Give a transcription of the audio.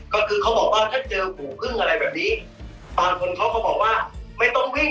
ก็คือเขาบอกว่าถ้าเจอกลัวคลิปูกกรึ้งอะไรแบบนี้บางคนเค้าเขาบอกว่าไม่ต้องวิ่ง